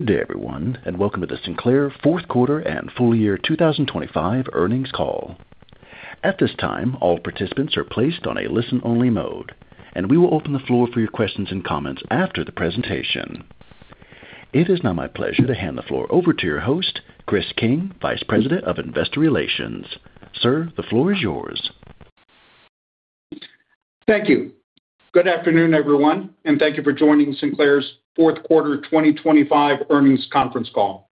Good day, everyone, and welcome to the Sinclair fourth quarter and full year 2025 earnings call. At this time, all participants are placed on a listen-only mode, and we will open the floor for your questions and comments after the presentation. It is now my pleasure to hand the floor over to your host, Chris King, Vice President of Investor Relations. Sir, the floor is yours. Thank you. Good afternoon, everyone, thank you for joining Sinclair's fourth quarter 2025 earnings conference call.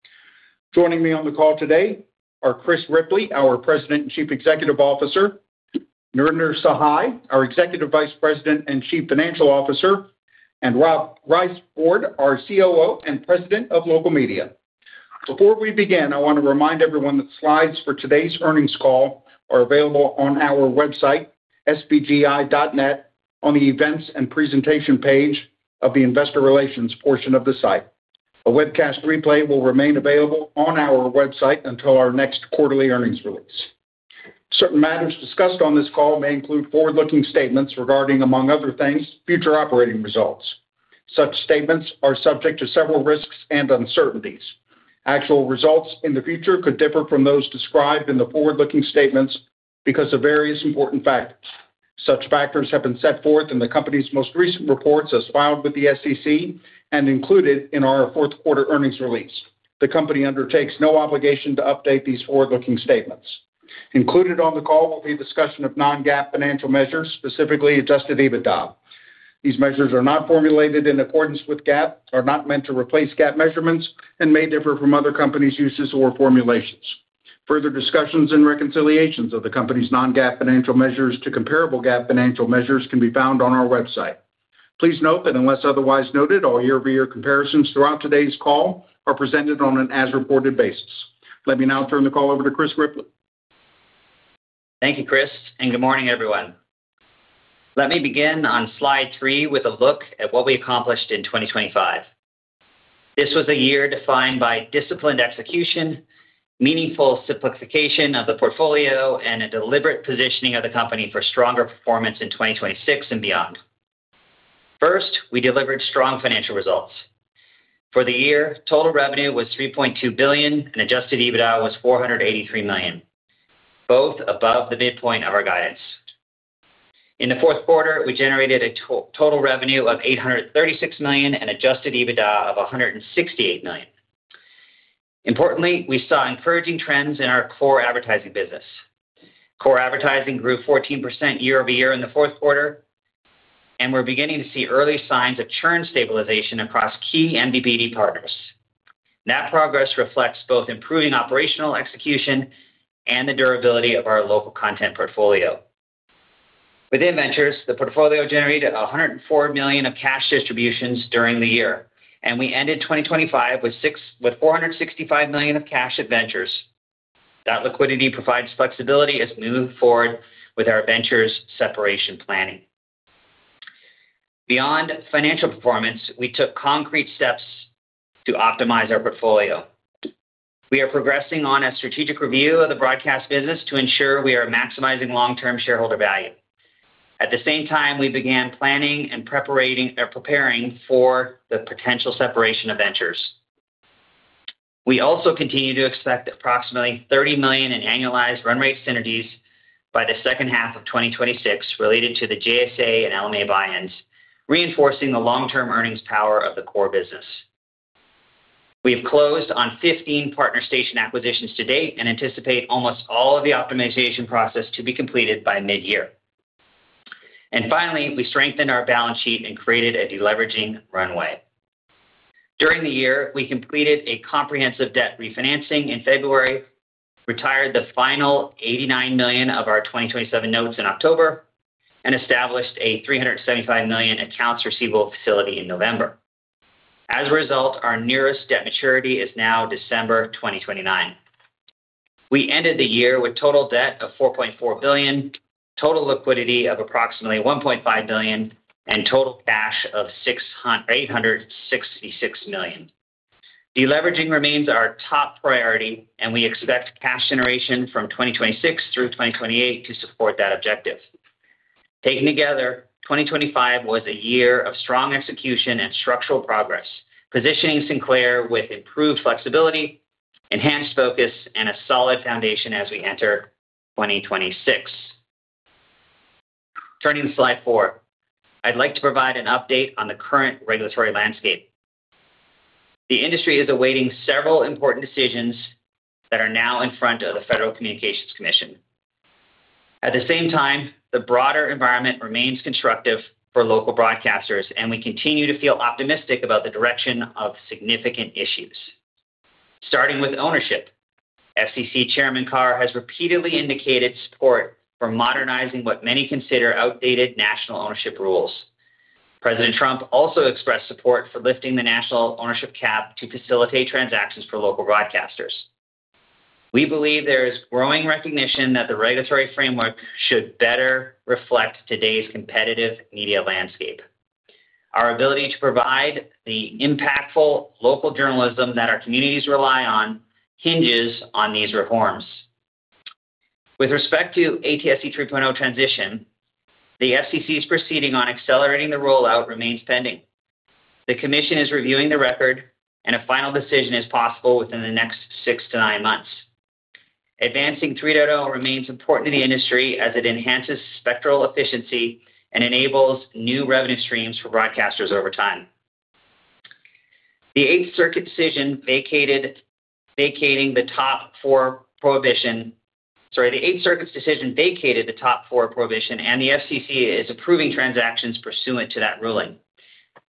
Joining me on the call today are Chris Ripley, our President and Chief Executive Officer, Narinder Sahai, our Executive Vice President and Chief Financial Officer, and Rob Weisbord, our COO and President of Local Media. Before we begin, I want to remind everyone that slides for today's earnings call are available on our website, sbgi.net, on the Events and Presentation page of the Investor Relations portion of the site. A webcast replay will remain available on our website until our next quarterly earnings release. Certain matters discussed on this call may include forward-looking statements regarding, among other things, future operating results. Such statements are subject to several risks and uncertainties. Actual results in the future could differ from those described in the forward-looking statements because of various important factors. Such factors have been set forth in the company's most recent reports as filed with the SEC and included in our fourth quarter earnings release. The company undertakes no obligation to update these forward-looking statements. Included on the call will be a discussion of non-GAAP financial measures, specifically adjusted EBITDA. These measures are not formulated in accordance with GAAP, are not meant to replace GAAP measurements, and may differ from other companies' uses or formulations. Further discussions and reconciliations of the company's non-GAAP financial measures to comparable GAAP financial measures can be found on our website. Please note that unless otherwise noted, all year-over-year comparisons throughout today's call are presented on an as-reported basis. Let me now turn the call over to Chris Ripley. Thank you, Chris. Good morning, everyone. Let me begin on slide three with a look at what we accomplished in 2025. This was a year defined by disciplined execution, meaningful simplification of the portfolio, and a deliberate positioning of the company for stronger performance in 2026 and beyond. First, we delivered strong financial results. For the year, total revenue was $3.2 billion, and adjusted EBITDA was $483 million, both above the midpoint of our guidance. In the fourth quarter, we generated total revenue of $836 million and adjusted EBITDA of $168 million. Importantly, we saw encouraging trends in our core advertising business. Core advertising grew 14% year-over-year in the fourth quarter. We're beginning to see early signs of churn stabilization across key MVPD partners. That progress reflects both improving operational execution and the durability of our local content portfolio. Within Ventures, the portfolio generated $104 million of cash distributions during the year, and we ended 2025 with $465 million of cash at Ventures. That liquidity provides flexibility as we move forward with our Ventures separation planning. Beyond financial performance, we took concrete steps to optimize our portfolio. We are progressing on a strategic review of the broadcast business to ensure we are maximizing long-term shareholder value. At the same time, we began planning and preparing for the potential separation of Ventures. We also continue to expect approximately $30 million in annualized run rate synergies by the second half of 2026 related to the JSA and LMA buy-ins, reinforcing the long-term earnings power of the core business. We've closed on 15 partner station acquisitions to date and anticipate almost all of the optimization process to be completed by mid-year. Finally, we strengthened our balance sheet and created a deleveraging runway. During the year, we completed a comprehensive debt refinancing in February, retired the final $89 million of our 2027 notes in October, and established a $375 million accounts receivable facility in November. As a result, our nearest debt maturity is now December 2029. We ended the year with total debt of $4.4 billion, total liquidity of approximately $1.5 billion, and total cash of $866 million. Deleveraging remains our top priority, and we expect cash generation from 2026 through 2028 to support that objective. Taken together, 2025 was a year of strong execution and structural progress, positioning Sinclair with improved flexibility, enhanced focus, and a solid foundation as we enter 2026. Turning to slide four. I'd like to provide an update on the current regulatory landscape. The industry is awaiting several important decisions that are now in front of the Federal Communications Commission. At the same time, the broader environment remains constructive for local broadcasters, and we continue to feel optimistic about the direction of significant issues. Starting with ownership, FCC Chairman Carr has repeatedly indicated support for modernizing what many consider outdated national ownership rules. President Trump also expressed support for lifting the national ownership cap to facilitate transactions for local broadcasters. We believe there is growing recognition that the regulatory framework should better reflect today's competitive media landscape. Our ability to provide the impactful local journalism that our communities rely on hinges on these reforms. With respect to ATSC 3.0 transition, the FCC's proceeding on accelerating the rollout remains pending. The commission is reviewing the record, and a final decision is possible within the next six to nine months. Advancing 3.0 remains important to the industry as it enhances spectral efficiency and enables new revenue streams for broadcasters over time. The Eighth Circuit decision vacated the Top-Four Prohibition. Sorry, the Eighth Circuit's decision vacated the Top-Four Prohibition, and the FCC is approving transactions pursuant to that ruling.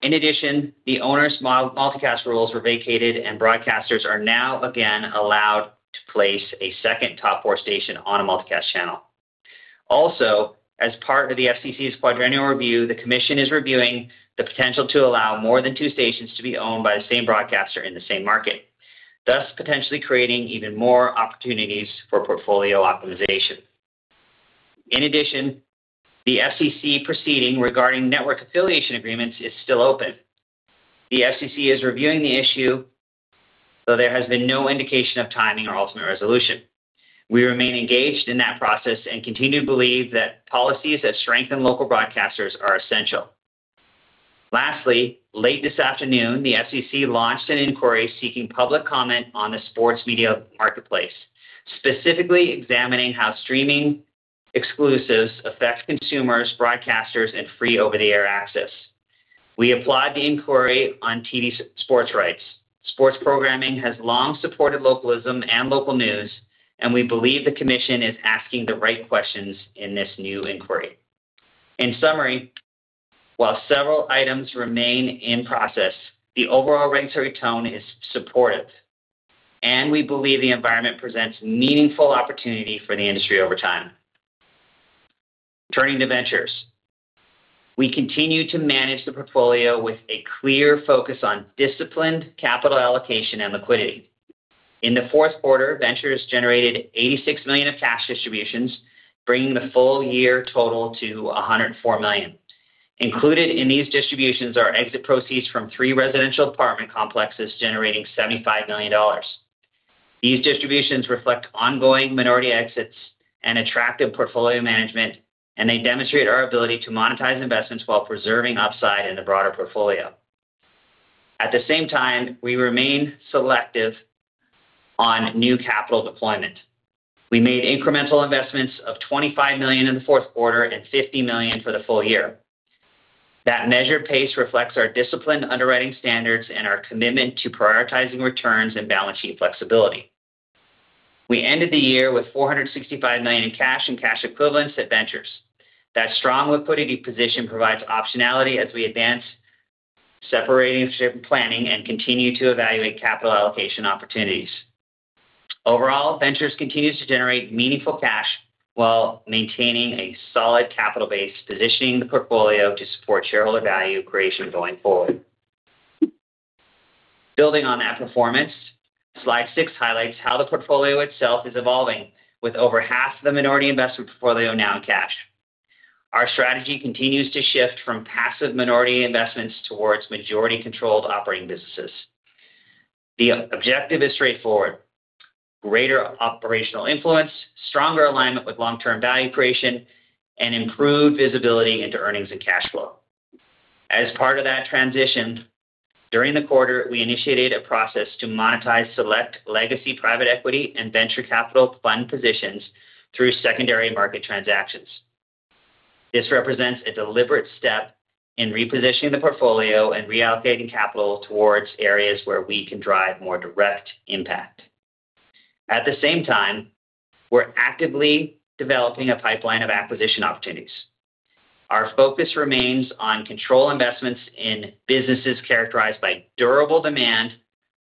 In addition, the multicast rules were vacated, and broadcasters are now again allowed to place a second top four station on a multicast channel. Also, as part of the FCC's Quadrennial Review, the commission is reviewing the potential to allow more than two stations to be owned by the same broadcaster in the same market, thus potentially creating even more opportunities for portfolio optimization. In addition, the FCC proceeding regarding network affiliation agreements is still open. The FCC is reviewing the issue, though there has been no indication of timing or ultimate resolution. We remain engaged in that process and continue to believe that policies that strengthen local broadcasters are essential. Lastly, late this afternoon, the FCC launched an inquiry seeking public comment on the sports media marketplace, specifically examining how streaming exclusives affect consumers, broadcasters, and free over-the-air access. We applaud the inquiry on TV sports rights. Sports programming has long supported localism and local news, and we believe the commission is asking the right questions in this new inquiry. In summary, while several items remain in process, the overall regulatory tone is supportive, and we believe the environment presents meaningful opportunity for the industry over time. Turning to Ventures. We continue to manage the portfolio with a clear focus on disciplined capital allocation and liquidity. In the fourth quarter, Ventures generated $86 million of cash distributions, bringing the full year total to $104 million. Included in these distributions are exit proceeds from three residential apartment complexes, generating $75 million. These distributions reflect ongoing minority exits and attractive portfolio management, and they demonstrate our ability to monetize investments while preserving upside in the broader portfolio. At the same time, we remain selective on new capital deployment. We made incremental investments of $25 million in the fourth quarter and $50 million for the full year. That measured pace reflects our disciplined underwriting standards and our commitment to prioritizing returns and balance sheet flexibility. We ended the year with $465 million in cash and cash equivalents at Ventures. That strong liquidity position provides optionality as we advance, separating planning and continue to evaluate capital allocation opportunities. Overall, Ventures continues to generate meaningful cash while maintaining a solid capital base, positioning the portfolio to support shareholder value creation going forward. Building on that performance, slide six highlights how the portfolio itself is evolving, with over half of the minority investment portfolio now in cash. Our strategy continues to shift from passive minority investments towards majority-controlled operating businesses. The objective is straightforward: greater operational influence, stronger alignment with long-term value creation, and improved visibility into earnings and cash flow. As part of that transition, during the quarter, we initiated a process to monetize select legacy private equity and venture capital fund positions through secondary market transactions. This represents a deliberate step in repositioning the portfolio and reallocating capital towards areas where we can drive more direct impact. At the same time, we're actively developing a pipeline of acquisition opportunities. Our focus remains on control investments in businesses characterized by durable demand,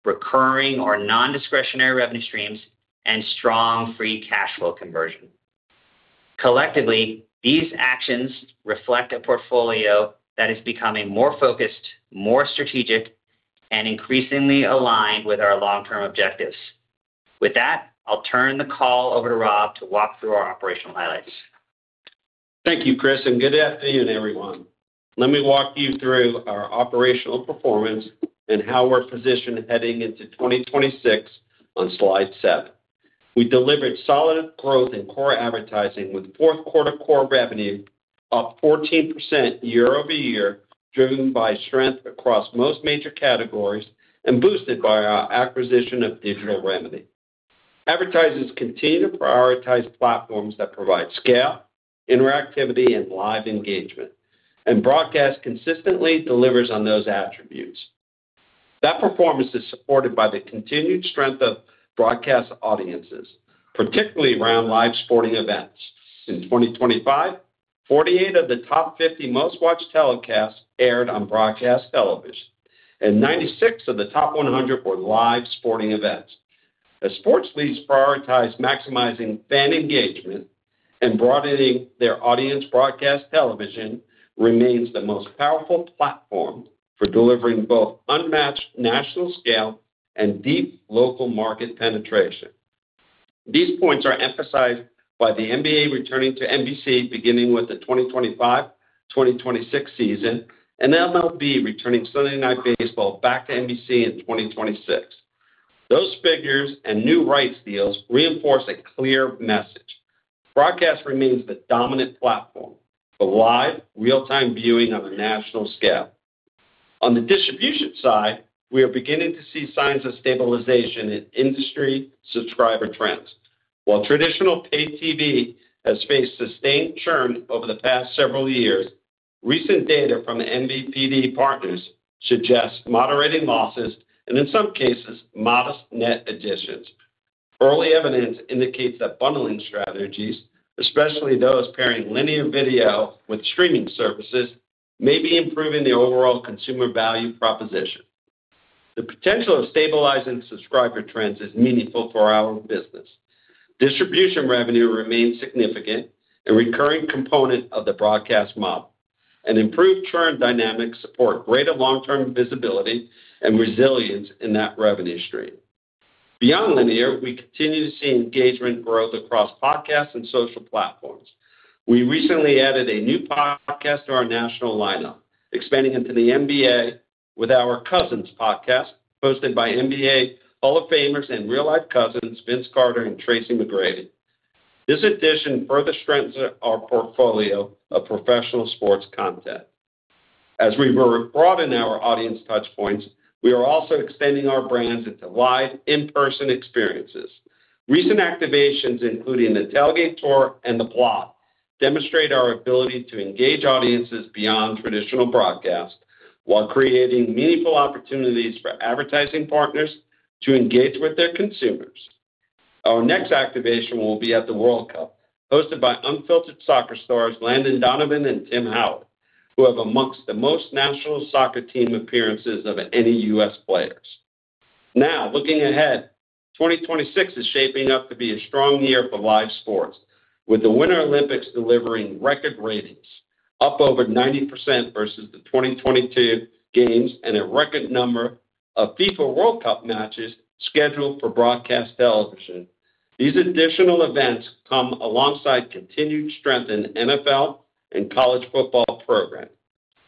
recurring or non-discretionary revenue streams, and strong free cash flow conversion. Collectively, these actions reflect a portfolio that is becoming more focused, more strategic, and increasingly aligned with our long-term objectives. With that, I'll turn the call over to Rob to walk through our operational highlights. Thank you, Chris. Good afternoon, everyone. Let me walk you through our operational performance and how we're positioned heading into 2026 on slide seven. We delivered solid growth in core advertising, with fourth quarter core revenue up 14% year-over-year, driven by strength across most major categories and boosted by our acquisition of Digital Remedy. Advertisers continue to prioritize platforms that provide scale, interactivity, and live engagement, and broadcast consistently delivers on those attributes. That performance is supported by the continued strength of broadcast audiences, particularly around live sporting events. In 2025, 48 of the top 50 most-watched telecasts aired on broadcast television, and 96 of the top 100 were live sporting events. As sports leagues prioritize maximizing fan engagement and broadening their audience, broadcast television remains the most powerful platform for delivering both unmatched national scale and deep local market penetration. These points are emphasized by the NBA returning to NBC beginning with the 2025-2026 season, and MLB returning Sunday Night Baseball back to NBC in 2026. Those figures and new rights deals reinforce a clear message: broadcast remains the dominant platform for live, real-time viewing on a national scale. The distribution side, we are beginning to see signs of stabilization in industry subscriber trends. While traditional pay TV has faced sustained churn over the past several years, recent data from the MVPD partners suggests moderating losses and, in some cases, modest net additions. Early evidence indicates that bundling strategies, especially those pairing linear video with streaming services, may be improving the overall consumer value proposition. The potential of stabilizing subscriber trends is meaningful for our business. Distribution revenue remains significant, a recurring component of the broadcast model, and improved churn dynamics support greater long-term visibility and resilience in that revenue stream. Beyond linear, we continue to see engagement growth across podcasts and social platforms. We recently added a new podcast to our national lineup, expanding into the NBA with our Cousins podcast, hosted by NBA Hall of Famers and real-life cousins, Vince Carter and Tracy McGrady. This addition further strengthens our portfolio of professional sports content. As we broaden our audience touchpoints, we are also extending our brands into live, in-person experiences. Recent activations, including the Tailgate Tour and The Plot, demonstrate our ability to engage audiences beyond traditional broadcast, while creating meaningful opportunities for advertising partners to engage with their consumers. Our next activation will be at the World Cup, hosted by Unfiltered Soccer stars Landon Donovan and Tim Howard, who have amongst the most national soccer team appearances of any U.S. players. Now, looking ahead, 2026 is shaping up to be a strong year for live sports, with the Winter Olympics delivering record ratings up over 90% versus the 2022 games and a record number of FIFA World Cup matches scheduled for broadcast television. These additional events come alongside continued strength in NFL and college football program,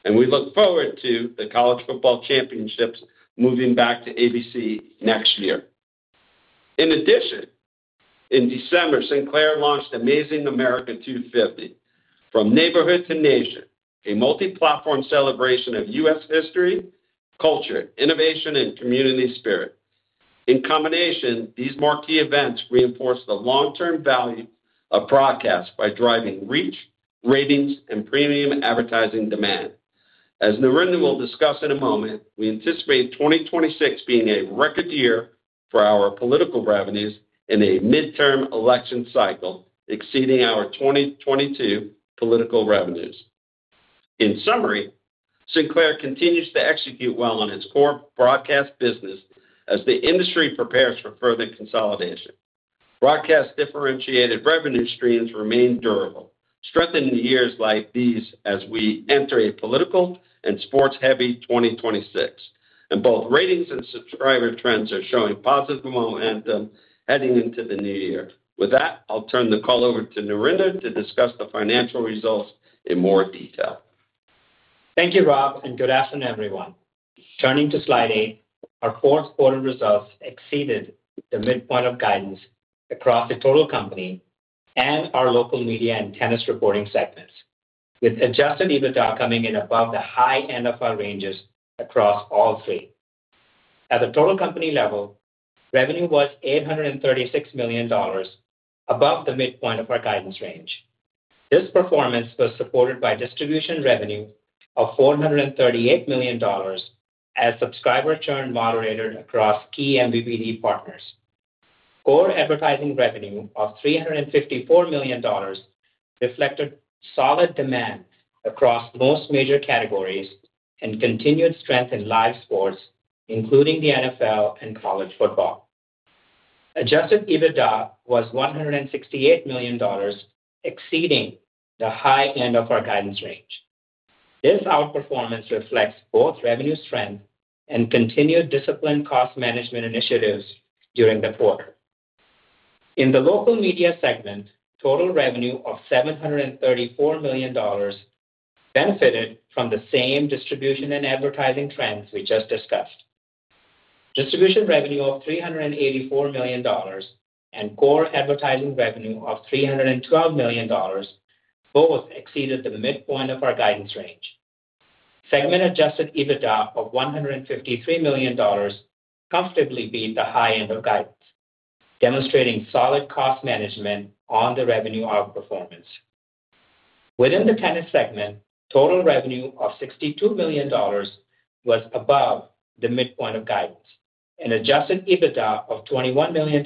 and we look forward to the college football championships moving back to ABC next year. In addition, in December, Sinclair launched Amazing America 250: From Neighborhood to Nation, a multi-platform celebration of U.S. history, culture, innovation, and community spirit. In combination, these marquee events reinforce the long-term value of broadcast by driving reach, ratings, and premium advertising demand. As Narinder will discuss in a moment, we anticipate 2026 being a record year for our political revenues in a midterm election cycle, exceeding our 2022 political revenues. In summary, Sinclair continues to execute well on its core broadcast business as the industry prepares for further consolidation. Broadcast differentiated revenue streams remain durable, strengthening the years like these as we enter a political and sports-heavy 2026, and both ratings and subscriber trends are showing positive momentum heading into the new year. With that, I'll turn the call over to Narinder to discuss the financial results in more detail. Thank you, Rob. Good afternoon, everyone. Turning to slide eight, our fourth quarter results exceeded the midpoint of guidance across the total company and our local media and Tennis reporting segments, with adjusted EBITDA coming in above the high end of our ranges across all three. At the total company level, revenue was $836 million, above the midpoint of our guidance range. This performance was supported by distribution revenue of $438 million as subscriber churn moderated across key MVPD partners. Core advertising revenue of $354 million reflected solid demand across most major categories and continued strength in live sports, including the NFL and college football. Adjusted EBITDA was $168 million, exceeding the high end of our guidance range. This outperformance reflects both revenue strength and continued disciplined cost management initiatives during the quarter. In the local media segment, total revenue of $734 million benefited from the same distribution and advertising trends we just discussed. Distribution revenue of $384 million and core advertising revenue of $312 million both exceeded the midpoint of our guidance range. Segment adjusted EBITDA of $153 million comfortably beat the high end of guidance, demonstrating solid cost management on the revenue outperformance. Within the Tennis segment, total revenue of $62 million was above the midpoint of guidance, and adjusted EBITDA of $21 million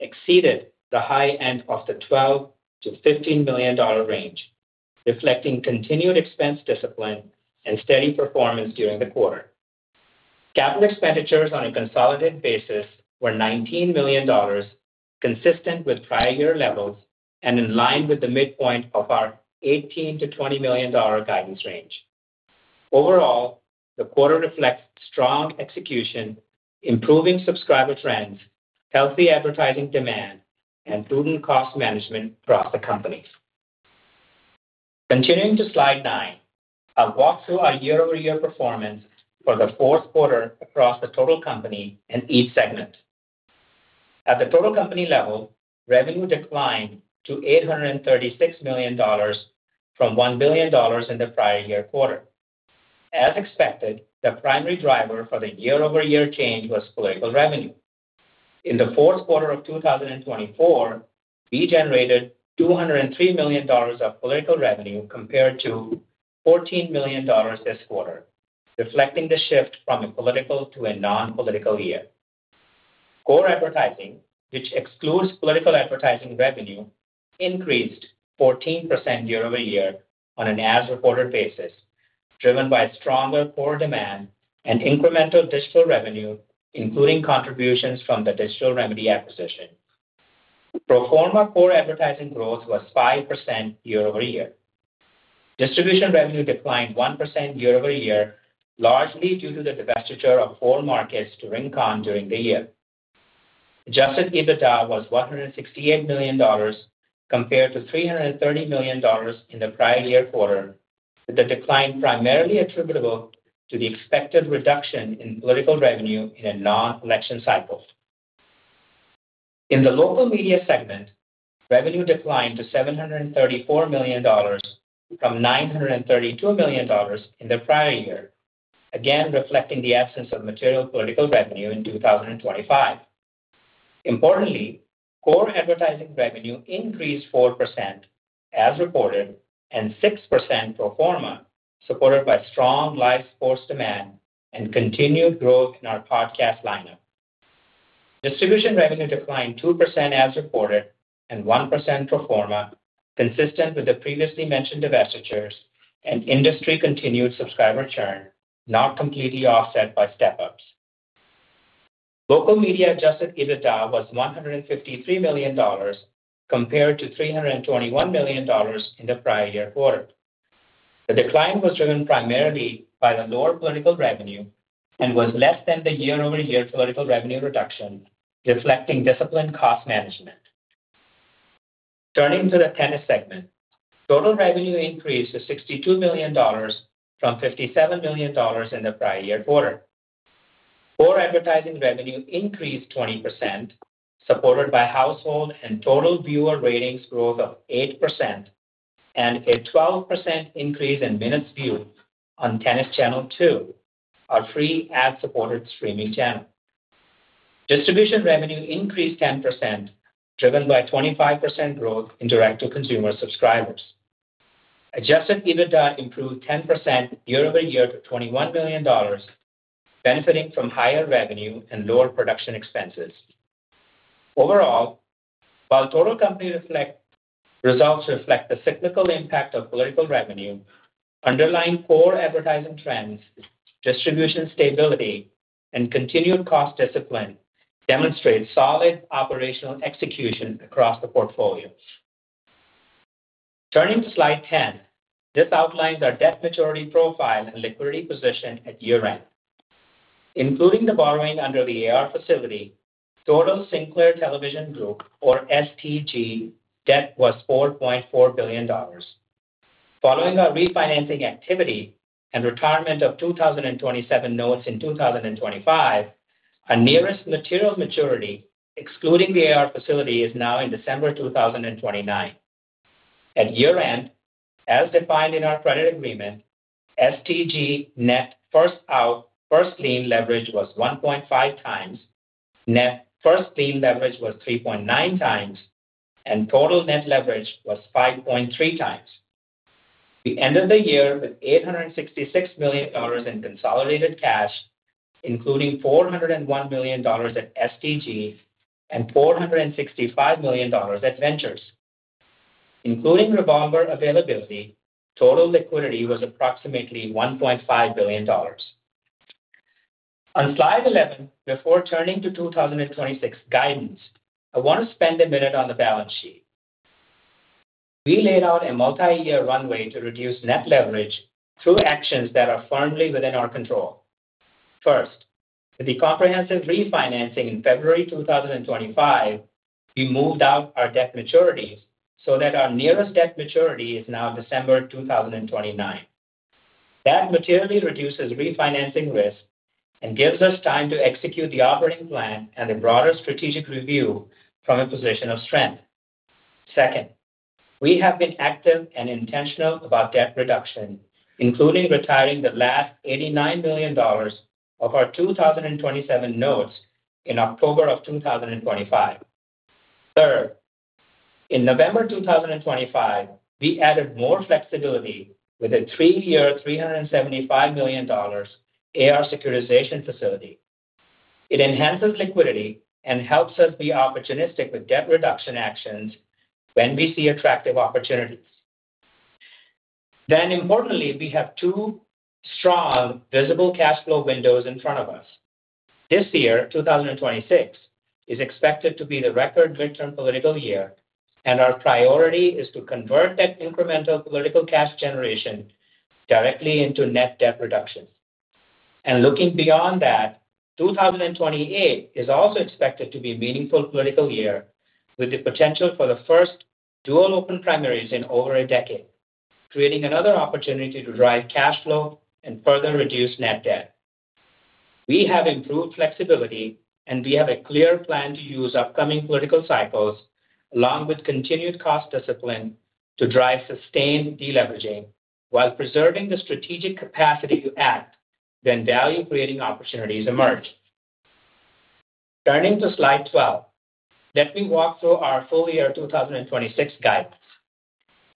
exceeded the high end of the $12 million-$15 million range, reflecting continued expense discipline and steady performance during the quarter. Capital expenditures on a consolidated basis were $19 million, consistent with prior year levels and in line with the midpoint of our $18 million-$20 million guidance range. Overall, the quarter reflects strong execution, improving subscriber trends, healthy advertising demand, and prudent cost management across the company. Continuing to slide nine, I'll walk through our year-over-year performance for the fourth quarter across the total company in each segment. At the total company level, revenue declined to $836 million from $1 billion in the prior year quarter. As expected, the primary driver for the year-over-year change was political revenue. In the fourth quarter of 2024, we generated $203 million of political revenue compared to $14 million this quarter, reflecting the shift from a political to a non-political year. Core advertising, which excludes political advertising revenue, increased 14% year-over-year on an as-reported basis, driven by stronger core demand and incremental digital revenue, including contributions from the Digital Remedy acquisition. Pro forma core advertising growth was 5% year-over-year. Distribution revenue declined 1% year-over-year, largely due to the divestiture of all markets to Ringcon during the year. Adjusted EBITDA was $168 million, compared to $330 million in the prior year quarter, with the decline primarily attributable to the expected reduction in political revenue in a non-election cycle. In the local media segment, revenue declined to $734 million from $932 million in the prior year, again, reflecting the absence of material political revenue in 2025. Importantly, core advertising revenue increased 4% as reported and 6% pro forma, supported by strong live sports demand and continued growth in our podcast lineup. Distribution revenue declined 2% as reported and 1% pro forma, consistent with the previously mentioned divestitures and industry-continued subscriber churn, not completely offset by step-ups. Local media adjusted EBITDA was $153 million, compared to $321 million in the prior year quarter. The decline was driven primarily by the lower political revenue and was less than the year-over-year political revenue reduction, reflecting disciplined cost management. Turning to the Tennis segment. Total revenue increased to $62 million from $57 million in the prior year quarter. Core advertising revenue increased 20%, supported by household and total viewer ratings growth of 8% and a 12% increase in minutes viewed on Tennis Channel 2, our free ad-supported streaming channel. Distribution revenue increased 10%, driven by 25% growth in direct-to-consumer subscribers. Adjusted EBITDA improved 10% year-over-year to $21 million, benefiting from higher revenue and lower production expenses. While total company results reflect the cyclical impact of political revenue, underlying core advertising trends, distribution stability, and continued cost discipline demonstrate solid operational execution across the portfolio. Turning to slide 10. This outlines our debt maturity profile and liquidity position at year-end. Including the borrowing under the AR facility, total Sinclair Television Group, or STG, debt was $4.4 billion. Following our refinancing activity and retirement of 2027 notes in 2025, our nearest material maturity, excluding the AR facility, is now in December 2029. At year-end, as defined in our credit agreement, STG net first-out, first-lien leverage was 1.5x, net first lien leverage was 3.9x, and total net leverage was 5.3x. We ended the year with $866 million in consolidated cash, including $401 million at STG and $465 million at Ventures. Including revolver availability, total liquidity was approximately $1.5 billion. On slide 11, before turning to 2026 guidance, I want to spend a minute on the balance sheet. We laid out a multi-year runway to reduce net leverage through actions that are firmly within our control. First, with the comprehensive refinancing in February 2025, we moved out our debt maturities so that our nearest debt maturity is now December 2029. That materially reduces refinancing risk and gives us time to execute the operating plan and a broader strategic review from a position of strength. Second, we have been active and intentional about debt reduction, including retiring the last $89 million of our 2027 notes in October 2025. Third, in November 2025, we added more flexibility with a three-year, $375 million AR securitization facility. It enhances liquidity and helps us be opportunistic with debt reduction actions when we see attractive opportunities. Importantly, we have two strong, visible cash flow windows in front of us. This year, 2026, is expected to be the record midterm political year, and our priority is to convert that incremental political cash generation directly into net debt reduction. Looking beyond that, 2028 is also expected to be a meaningful political year, with the potential for the first dual open primaries in over a decade, creating another opportunity to drive cash flow and further reduce net debt. We have improved flexibility, and we have a clear plan to use upcoming political cycles, along with continued cost discipline, to drive sustained deleveraging while preserving the strategic capacity to act when value-creating opportunities emerge. Turning to slide 12, let me walk through our full year 2026 guidance.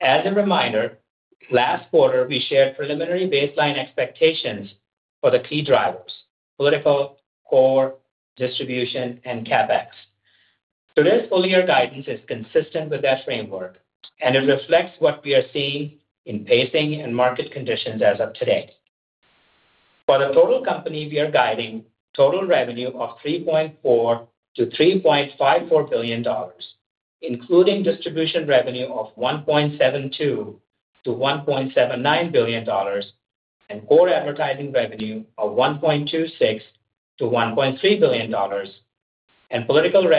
As a reminder, last quarter, we shared preliminary baseline expectations for the key drivers: political, core, distribution, and CapEx. Today's full year guidance is consistent with that framework, it reflects what we are seeing in pacing and market conditions as of today. For the total company, we are guiding total revenue of $3.4 billion-$3.54 billion, including distribution revenue of $1.72 billion-$1.79 billion, core advertising revenue of $1.26 billion-$1.3 billion, and political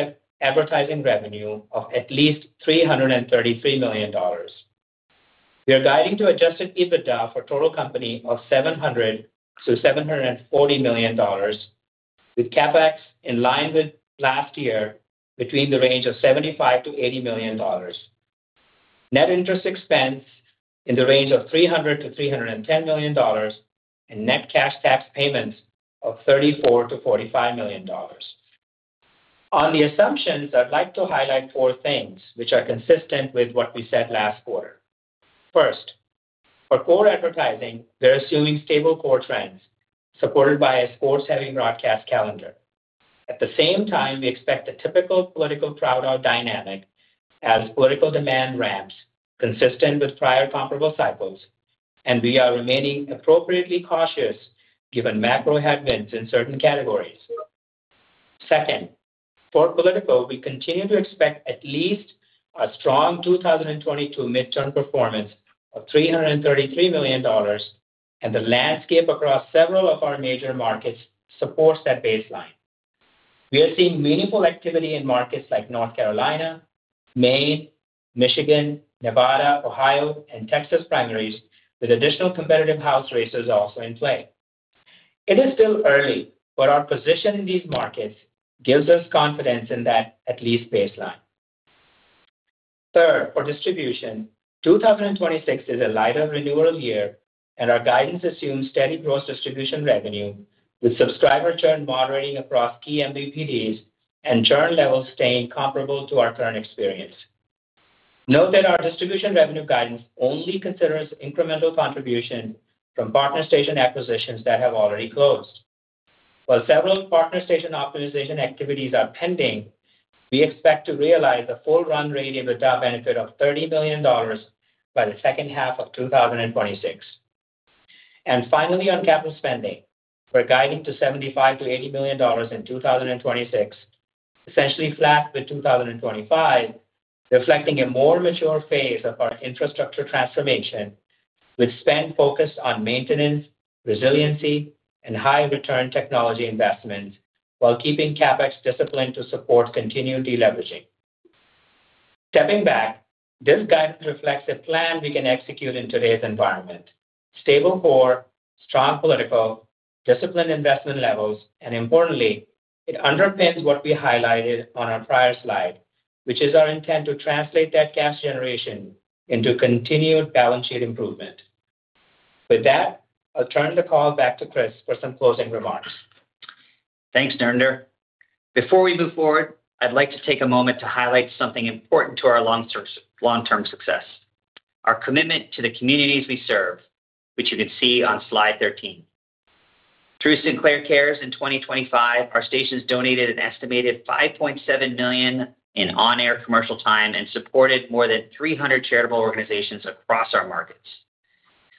advertising revenue of at least $333 million. We are guiding to adjusted EBITDA for total company of $700 million-$740 million, with CapEx in line with last year between the range of $75 million-$80 million. Net interest expense in the range of $300 million-$310 million, and net cash tax payments of $34 million-$45 million. On the assumptions, I'd like to highlight four things which are consistent with what we said last quarter. First, for core advertising, we're assuming stable core trends supported by a sports-heavy broadcast calendar. At the same time, we expect a typical political crowd-out dynamic as political demand ramps, consistent with prior comparable cycles, and we are remaining appropriately cautious given macro headwinds in certain categories. Second, for political, we continue to expect at least a strong 2022 midterm performance of $333 million. The landscape across several of our major markets supports that baseline. We are seeing meaningful activity in markets like North Carolina, Maine, Michigan, Nevada, Ohio, and Texas primaries, with additional competitive house races also in play. It is still early, our position in these markets gives us confidence in that at-least baseline. Third, for distribution, 2026 is a lighter renewal year, and our guidance assumes steady gross distribution revenue, with subscriber churn moderating across key MVPDs and churn levels staying comparable to our current experience. Note that our distribution revenue guidance only considers incremental contribution from partner station acquisitions that have already closed. While several partner station optimization activities are pending, we expect to realize a full run rate EBITDA benefit of $30 million by the second half of 2026. Finally, on capital spending, we're guiding to $75 million-$80 million in 2026, essentially flat with 2025, reflecting a more mature phase of our infrastructure transformation, with spend focused on maintenance, resiliency, and high-return technology investments while keeping CapEx disciplined to support continued deleveraging. Stepping back, this guidance reflects a plan we can execute in today's environment: stable core, strong political, disciplined investment levels, and importantly, it underpins what we highlighted on our prior slide, which is our intent to translate that cash generation into continued balance sheet improvement. With that, I'll turn the call back to Chris for some closing remarks. Thanks, Narinder. Before we move forward, I'd like to take a moment to highlight something important to our long-term success, our commitment to the communities we serve, which you can see on slide 13. Through Sinclair CARES in 2025, our stations donated an estimated $5.7 million in on-air commercial time and supported more than 300 charitable organizations across our markets.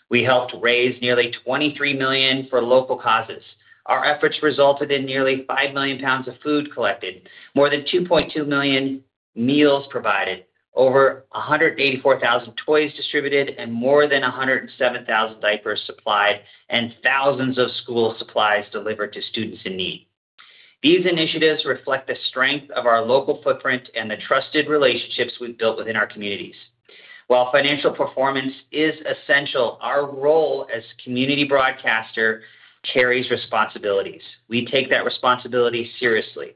We helped raise nearly $23 million for local causes. Our efforts resulted in nearly 5 million lbs of food collected, more than 2.2 million meals provided, over 184,000 toys distributed, and more than 107,000 diapers supplied, and thousands of school supplies delivered to students in need. These initiatives reflect the strength of our local footprint and the trusted relationships we've built within our communities. While financial performance is essential, our role as community broadcaster carries responsibilities. We take that responsibility seriously.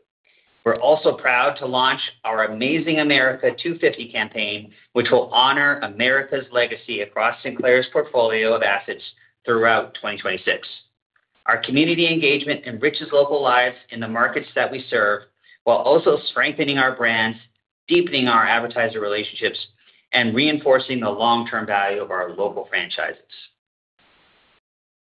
We're also proud to launch our Amazing America 250 campaign, which will honor America's legacy across Sinclair's portfolio of assets throughout 2026. Our community engagement enriches local lives in the markets that we serve, while also strengthening our brands, deepening our advertiser relationships, and reinforcing the long-term value of our local franchises.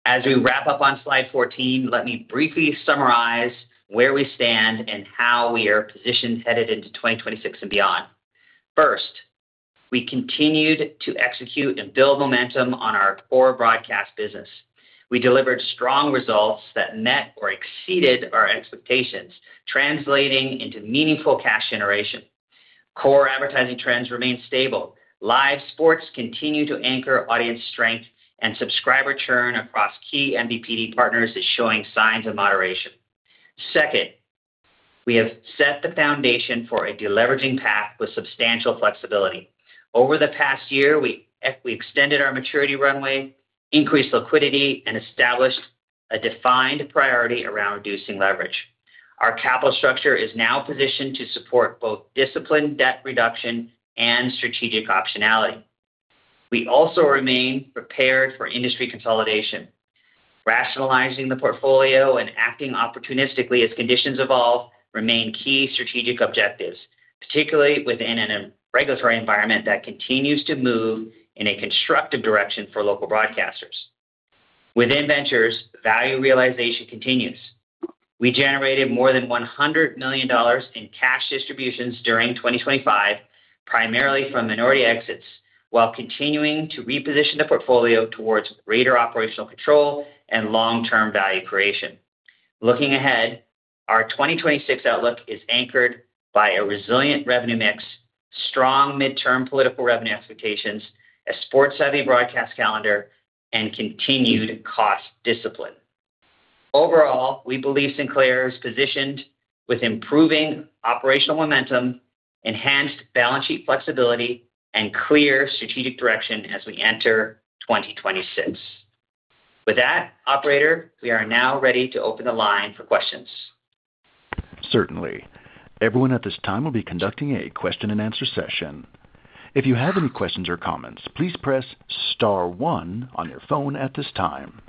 As we wrap up on slide 14, let me briefly summarize where we stand and how we are positioned headed into 2026 and beyond. We continued to execute and build momentum on our core broadcast business. We delivered strong results that met or exceeded our expectations, translating into meaningful cash generation. Core advertising trends remain stable. Live sports continue to anchor audience strength, and subscriber churn across key MVPD partners is showing signs of moderation. Second, we have set the foundation for a deleveraging path with substantial flexibility. Over the past year, we extended our maturity runway, increased liquidity, and established a defined priority around reducing leverage. Our capital structure is now positioned to support both disciplined debt reduction and strategic optionality. We also remain prepared for industry consolidation. Rationalizing the portfolio and acting opportunistically as conditions evolve remain key strategic objectives, particularly within a regulatory environment that continues to move in a constructive direction for local broadcasters. Within ventures, value realization continues. We generated more than $100 million in cash distributions during 2025, primarily from minority exits, while continuing to reposition the portfolio towards greater operational control and long-term value creation. Looking ahead, our 2026 outlook is anchored by a resilient revenue mix, strong midterm political revenue expectations, a sports-heavy broadcast calendar, and continued cost discipline. Overall, we believe Sinclair is positioned with improving operational momentum, enhanced balance sheet flexibility, and clear strategic direction as we enter 2026. With that, operator, we are now ready to open the line for questions. Certainly. Everyone at this time will be conducting a question and answer session. If you have any questions or comments, please press star one on your phone at this time.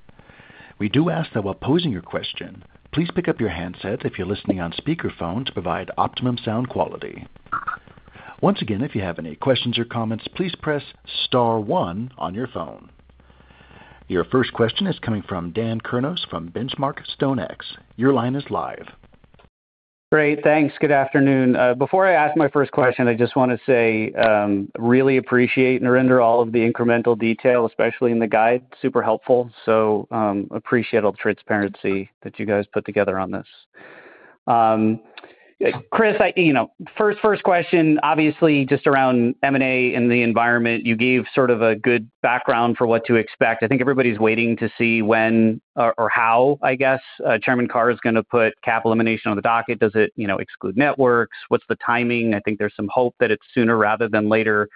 We do ask that while posing your question, please pick up your handset if you're listening on speakerphone to provide optimum sound quality. Once again, if you have any questions or comments, please press star one on your phone. Your first question is coming from Dan Kurnos from Benchmark StoneX. Your line is live. Great, thanks. Good afternoon. Before I ask my first question, I just want to say, really appreciate, Narinder, all of the incremental detail, especially in the guide. Super helpful. Appreciate all the transparency that you guys put together on this. Chris, you know, first question, obviously just around M&A and the environment. You gave sort of a good background for what to expect. I think everybody's waiting to see when or how, I guess, Chairman Carr is going to put cap elimination on the docket. Does it, you know, exclude networks? What's the timing? I think there's some hope that it's sooner rather than later.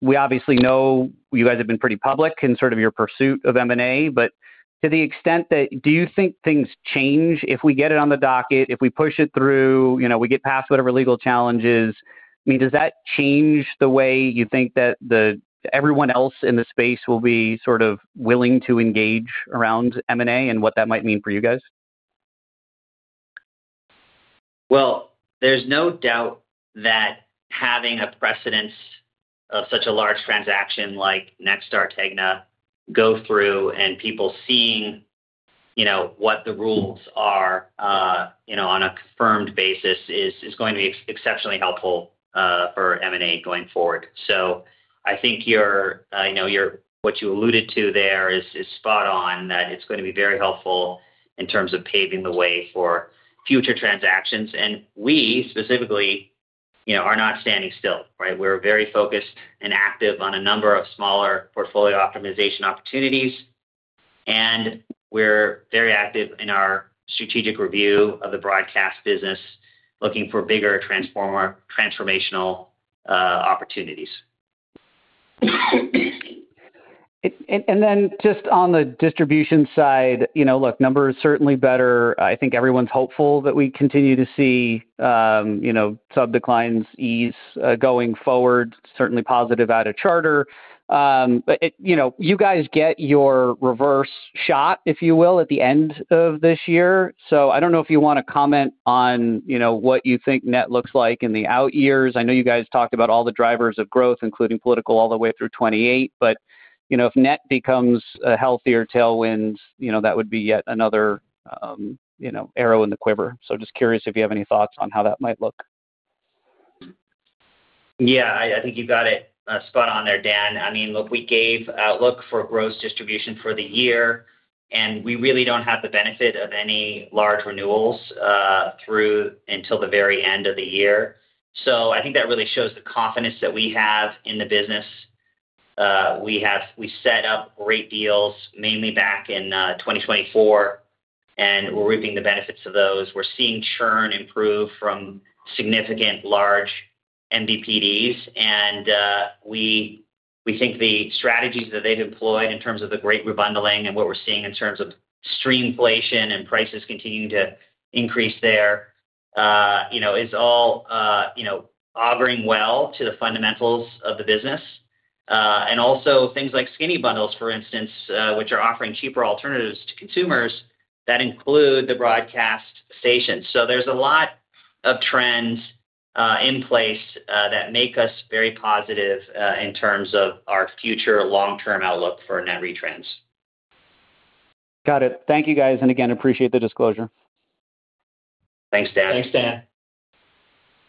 We obviously know you guys have been pretty public in sort of your pursuit of M&A, but to the extent that, do you think things change if we get it on the docket, if we push it through, you know, we get past whatever legal challenges? I mean, does that change the way you think that everyone else in the space will be sort of willing to engage around M&A and what that might mean for you guys? There's no doubt that having a precedent of such a large transaction like Nexstar, Tegna, go through and people seeing, you know, what the rules are, you know, on a confirmed basis is going to be exceptionally helpful for M&A going forward. I think you're what you alluded to there is spot on, that it's going to be very helpful in terms of paving the way for future transactions. We specifically, you know, are not standing still, right? We're very focused and active on a number of smaller portfolio optimization opportunities, and we're very active in our strategic review of the broadcast business, looking for bigger transformational opportunities. Then just on the distribution side, you know, look, numbers certainly better. I think everyone's hopeful that we continue to see, you know, sub declines ease going forward. Certainly positive out of Charter. But it, you know, you guys get your reverse shot, if you will, at the end of this year. I don't know if you want to comment on, you know, what you think net looks like in the out years. I know you guys talked about all the drivers of growth, including political, all the way through 2028, but, you know, if net becomes a healthier tailwind, you know, that would be yet another, you know, arrow in the quiver. Just curious if you have any thoughts on how that might look. Yeah, I think you've got it spot on there, Dan. I mean, look, we gave outlook for gross distribution for the year. We really don't have the benefit of any large renewals through until the very end of the year. I think that really shows the confidence that we have in the business. We set up great deals, mainly back in 2024, and we're reaping the benefits of those. We're seeing churn improve from significant large MVPDs, and we think the strategies that they've employed in terms of the great rebundling and what we're seeing in terms of streamflation and prices continuing to increase there, you know, is all, you know, auguring well to the fundamentals of the business. Also things like skinny bundles, for instance, which are offering cheaper alternatives to consumers that include the broadcast stations. There's a lot of trends in place that make us very positive in terms of our future long-term outlook for net retrans. Got it. Thank you, guys, and again, appreciate the disclosure. Thanks, Dan. Thanks, Dan.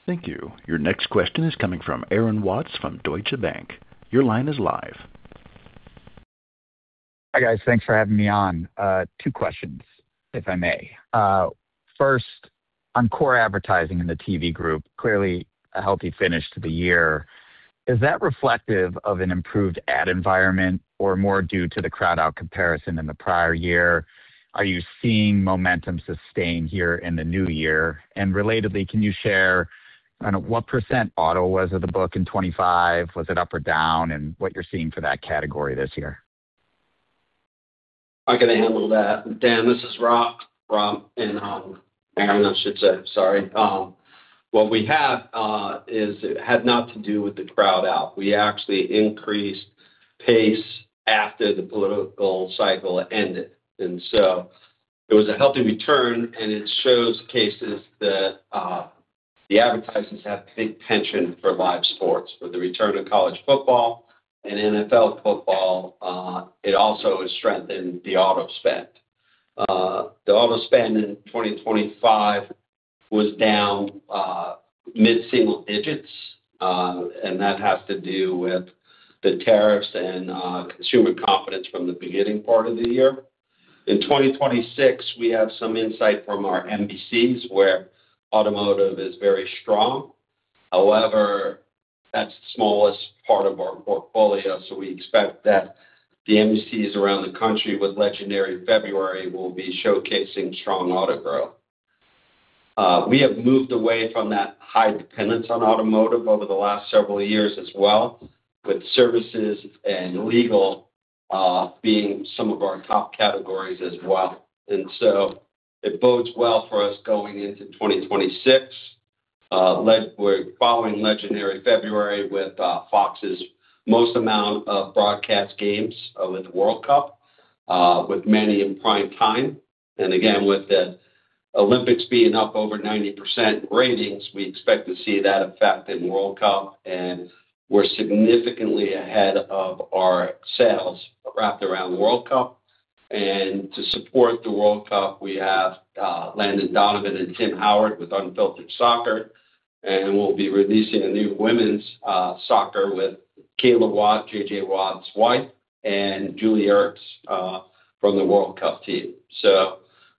Thank you. Your next question is coming from Aaron Watts from Deutsche Bank. Your line is live. Hi, guys. Thanks for having me on. Two questions, if I may. First, on core advertising in the TV Group, clearly a healthy finish to the year. Is that reflective of an improved ad environment or more due to the crowd-out comparison in the prior year? Are you seeing momentum sustained here in the new year? Relatedly, can you share, I don't know, what percent auto was of the book in 2025? Was it up or down, and what you're seeing for that category this year? I can handle that. Dan, this is Rob, Aaron, I should say, sorry. What we have, it had not to do with the crowd-out. We actually increased pace after the political cycle ended. It was a healthy return. It showcases that the advertisers have big penchant for live sports. With the return to college football and NFL football, it also has strengthened the auto spend. The auto spend in 2025 was down mid-single digits. That has to do with the tariffs and consumer confidence from the beginning part of the year. In 2026, we have some insight from our NBCs, where automotive is very strong. However, that's the smallest part of our portfolio. We expect that the NBCs around the country, with legendary February, will be showcasing strong auto growth. We have moved away from that high dependence on automotive over the last several years as well, with services and legal, being some of our top categories as well. It bodes well for us going into 2026. We're following legendary February with Fox's most amount of broadcast games, with the World Cup, with many in prime time. Again, with the Olympics being up over 90% ratings, we expect to see that effect in World Cup, and we're significantly ahead of our sales wrapped around the World Cup. To support the World Cup, we have, Landon Donovan and Tim Howard with Unfiltered Soccer, and we'll be releasing a new women's soccer with Kealia Watt, J.J. Watt's wife, and Julie Ertz, from the World Cup team.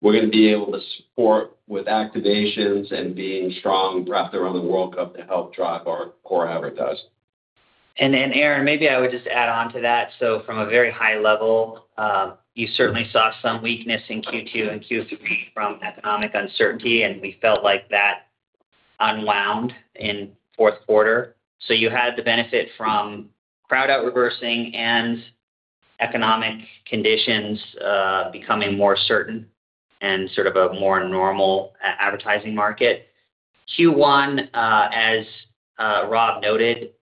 We're gonna be able to support with activations and being strong wrapped around the World Cup to help drive our core advertising. Aaron, maybe I would just add on to that. From a very high level, you certainly saw some weakness in Q2 and Q3 from economic uncertainty, and we felt like that unwound in fourth quarter. You had the benefit from crowd-out reversing and economic conditions becoming more certain and sort of a more normal advertising market. Q1, as Rob noted,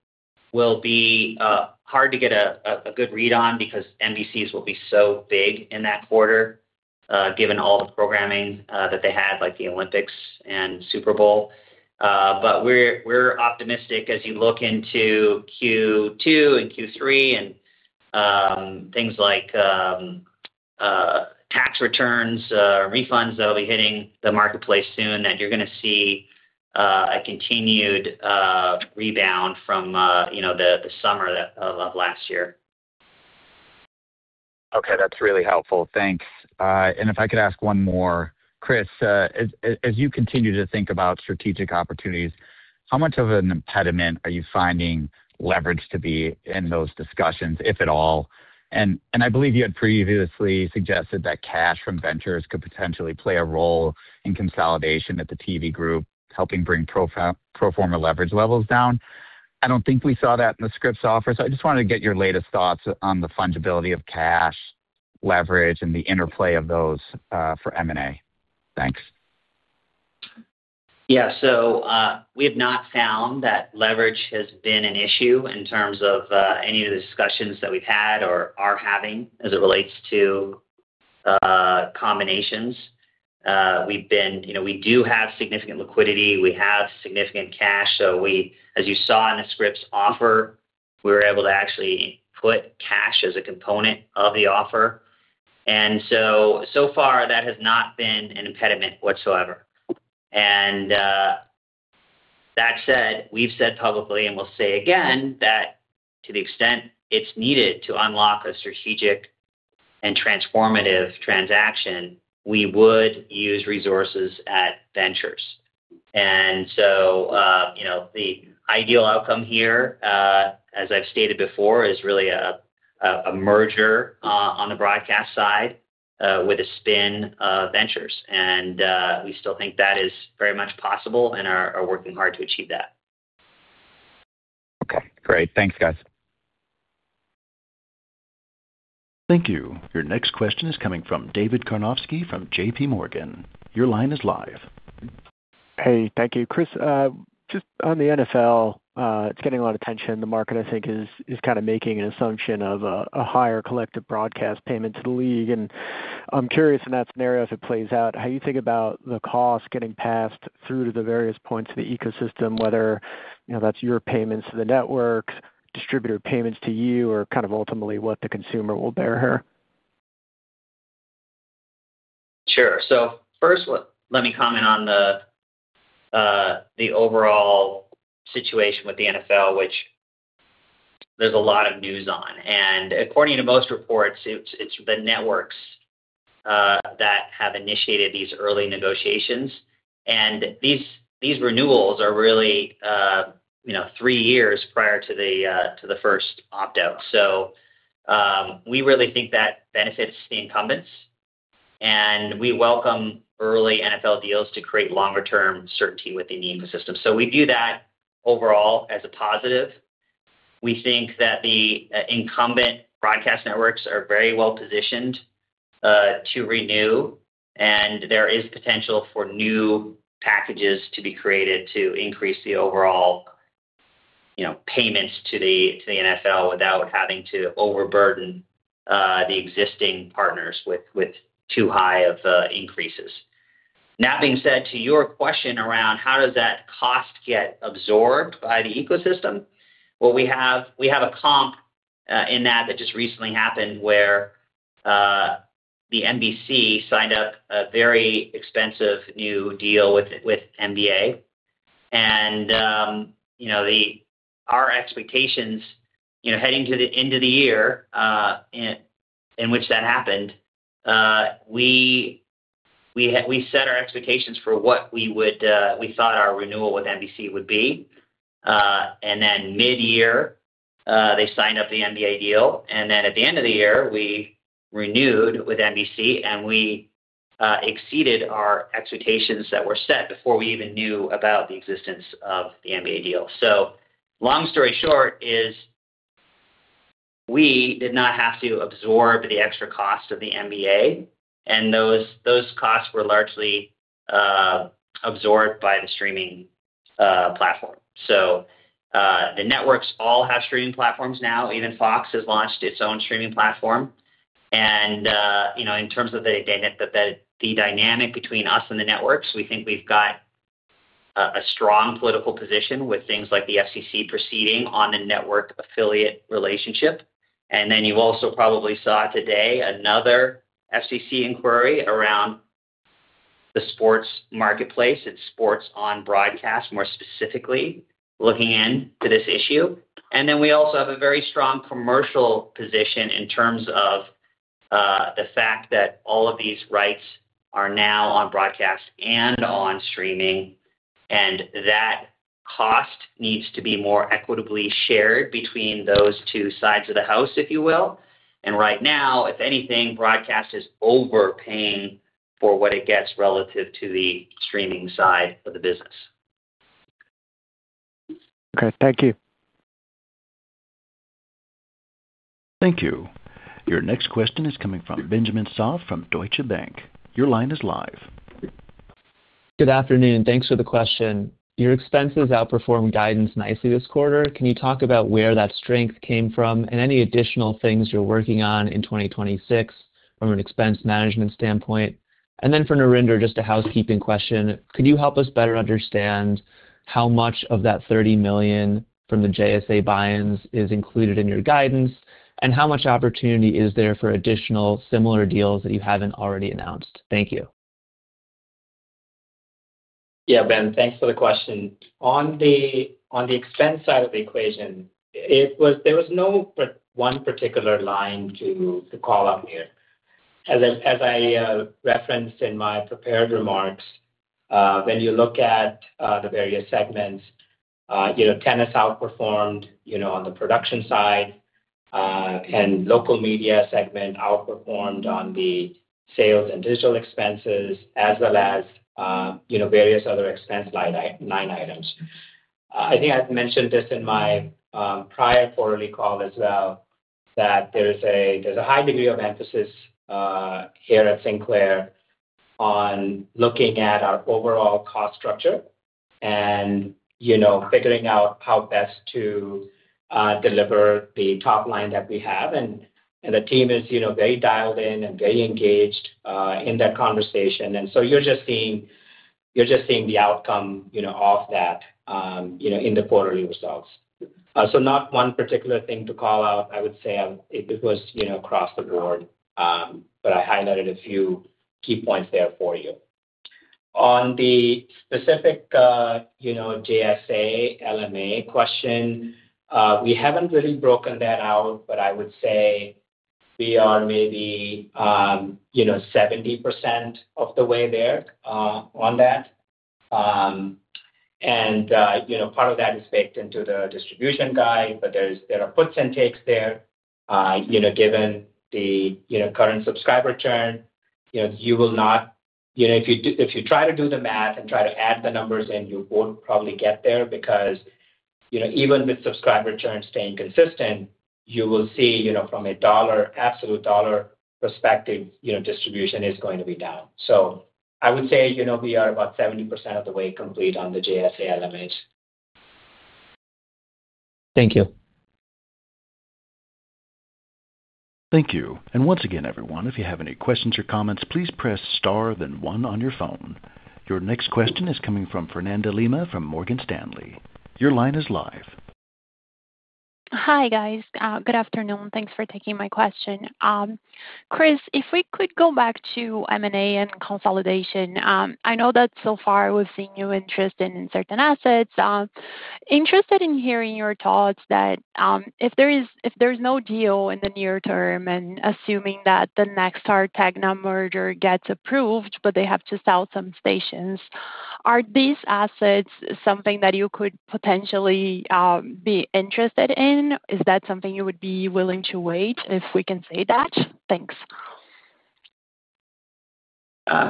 will be hard to get a good read on because NBCs will be so big in that quarter, given all the programming that they had, like the Olympics and Super Bowl. We're optimistic as you look into Q2 and Q3 and things like tax returns, refunds that will be hitting the marketplace soon, that you're gonna see a continued rebound from, you know, the summer that of last year. Okay, that's really helpful. Thanks. If I could ask one more. Chris, as you continue to think about strategic opportunities, how much of an impediment are you finding leverage to be in those discussions, if at all? I believe you had previously suggested that cash from ventures could potentially play a role in consolidation at the TV group, helping bring pro forma leverage levels down. I don't think we saw that in the Scripps offer, so I just wanted to get your latest thoughts on the fungibility of cash, leverage, and the interplay of those for M&A. Thanks. Yeah, so, we have not found that leverage has been an issue in terms of, any of the discussions that we've had or are having as it relates to, combinations. You know, we do have significant liquidity, we have significant cash, so we, as you saw in the Scripps offer, we were able to actually put cash as a component of the offer. So far, that has not been an impediment whatsoever. That said, we've said publicly and will say again that to the extent it's needed to unlock a strategic and transformative transaction, we would use resources at Ventures. You know, the ideal outcome here, as I've stated before, is really a merger on the broadcast side, with a spin of Ventures. We still think that is very much possible and are working hard to achieve that. Okay, great. Thanks, guys. Thank you. Your next question is coming from David Karnovsky from JPMorgan. Your line is live. Hey, thank you. Chris, just on the NFL, it's getting a lot of attention. The market, I think, is kind of making an assumption of a higher collective broadcast payment to the league. I'm curious, in that scenario, as it plays out, how you think about the cost getting passed through to the various points of the ecosystem, whether, you know, that's your payments to the networks, distributor payments to you, or kind of ultimately what the consumer will bear here? First, let me comment on the overall situation with the NFL, which there's a lot of news on. According to most reports, it's the networks that have initiated these early negotiations. These renewals are really, you know, three years prior to the first opt-out. We really think that benefits the incumbents, and we welcome early NFL deals to create longer term certainty within the ecosystem. We view that overall as a positive. We think that the incumbent broadcast networks are very well positioned to renew, and there is potential for new packages to be created to increase the overall, you know, payments to the NFL without having to overburden the existing partners with too high of increases. That being said, to your question around how does that cost get absorbed by the ecosystem? Well, we have a comp in that just recently happened, where the NBC signed up a very expensive new deal with NBA. you know, our expectations, you know, heading to the end of the year, in which that happened, we set our expectations for what we would, we thought our renewal with NBC would be. mid-year, they signed up the NBA deal, at the end of the year, we renewed with NBC, and we exceeded our expectations that were set before we even knew about the existence of the NBA deal. long story short is we did not have to absorb the extra cost of the NBA, and those costs were largely absorbed by the streaming platform. The networks all have streaming platforms now. Even Fox has launched its own streaming platform. you know, in terms of the dynamic between us and the networks, we think we've got a strong political position with things like the FCC proceeding on the network affiliate relationship. You also probably saw today another FCC inquiry around the sports marketplace. It's sports on broadcast, more specifically, looking in to this issue. We also have a very strong commercial position in terms of the fact that all of these rights are now on broadcast and on streaming, and that cost needs to be more equitably shared between those two sides of the house, if you will. If anything, broadcast is overpaying for what it gets relative to the streaming side of the business. Okay, thank you. Thank you. Your next question is coming from Benjamin Soff from Deutsche Bank. Your line is live. Good afternoon. Thanks for the question. Your expenses outperformed guidance nicely this quarter. Can you talk about where that strength came from and any additional things you're working on in 2026 from an expense management standpoint? Then for Narinder, just a housekeeping question, could you help us better understand how much of that $30 million from the JSA buy-ins is included in your guidance? How much opportunity is there for additional similar deals that you haven't already announced? Thank you. Yeah, Ben, thanks for the question. On the expense side of the equation, there was no one particular line to call out here. As I referenced in my prepared remarks, when you look at the various segments, you know, Tennis outperformed, you know, on the production side, and Local Media segment outperformed on the sales and digital expenses, as well as, you know, various other expense line items. I think I've mentioned this in my prior quarterly call as well, that there's a high degree of emphasis here at Sinclair on looking at our overall cost structure and, you know, figuring out how best to deliver the top line that we have. The team is, you know, very dialed in and very engaged in that conversation. You're just seeing the outcome, you know, of that, you know, in the quarterly results. Not one particular thing to call out. I would say, it was, you know, across the board, but I highlighted a few key points there for you. On the specific, you know, JSA, LMA question, we haven't really broken that out, but I would say we are maybe, you know, 70% of the way there on that. You know, part of that is baked into the distribution guide, but there are puts and takes there. You know, given the, you know, current subscriber churn, you know, you will not, you know, if you do, if you try to do the math and try to add the numbers in, you won't probably get there because, you know, even with subscriber churn staying consistent, you will see, you know, from a dollar, absolute dollar perspective, you know, distribution is going to be down. I would say, you know, we are about 70% of the way complete on the JSA, LMA. Thank you. Thank you. Once again, everyone, if you have any questions or comments, please press Star, then One on your phone. Your next question is coming from Fernanda Lima, from Morgan Stanley. Your line is live. Hi, guys. Good afternoon. Thanks for taking my question. Chris, if we could go back to M&A and consolidation. I know that so far we've seen new interest in certain assets. Interested in hearing your thoughts that, if there's no deal in the near term, and assuming that the Nexstar-Tegna merger gets approved, but they have to sell some stations, are these assets something that you could potentially be interested in? Is that something you would be willing to wait, if we can say that? Thanks.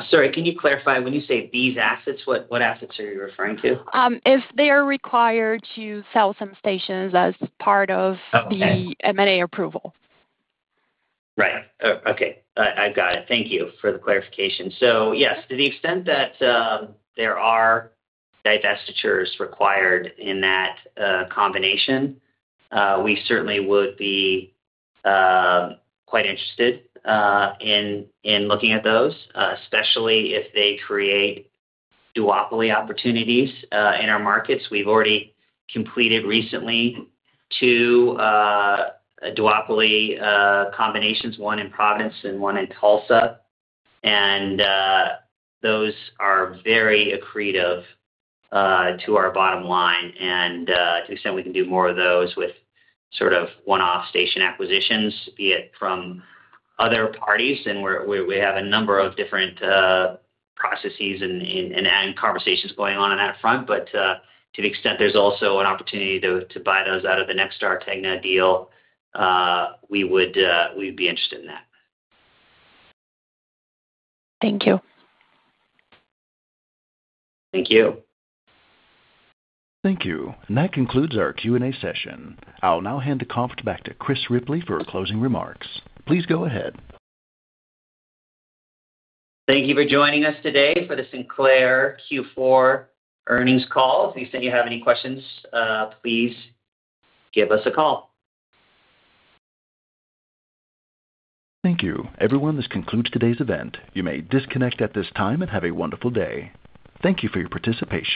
Sorry, can you clarify? When you say these assets, what assets are you referring to? if they are required to sell some stations as part of the M&A approval. Right. Oh, okay. I've got it. Thank you for the clarification. Yes, to the extent that there are divestitures required in that combination, we certainly would be quite interested in looking at those, especially if they create duopoly opportunities in our markets. We've already completed recently two, a duopoly combinations, one in Providence and one in Tulsa, and those are very accretive to our bottom line. To the extent we can do more of those with sort of one-off station acquisitions, be it from other parties, then we have a number of different processes and conversations going on on that front. To the extent there's also an opportunity to buy those out of the Nexstar-Tegna deal, we would be interested in that. Thank you. Thank you. Thank you. That concludes our Q&A session. I'll now hand the conference back to Chris Ripley for his closing remarks. Please go ahead. Thank you for joining us today for the Sinclair Q4 earnings call. If you think you have any questions, please give us a call. Thank you. Everyone, this concludes today's event. You may disconnect at this time and have a wonderful day. Thank you for your participation.